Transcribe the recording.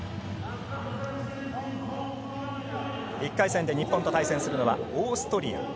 １回戦で日本と対戦するのはオーストリア。